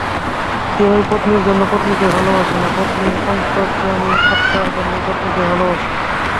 কেহই পত্নীর জন্য পত্নীকে ভালবাসে না, পত্নীর অন্তর্যামী আত্মার জন্যই পত্নীকে ভালবাসে।